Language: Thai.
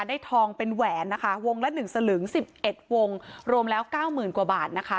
ทองเป็นแหวนนะคะวงละ๑สลึง๑๑วงรวมแล้วเก้าหมื่นกว่าบาทนะคะ